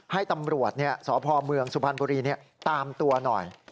ให้ตำรวจเนี่ยสภอเมืองสุพรรมบุรีเนี่ยตามตัวหน่อย